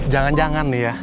jangan jangan nih ya